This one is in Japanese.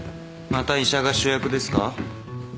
また医者が主役ですか？